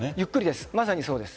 まさにそうです。